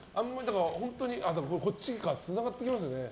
こっちにつながってきますよね。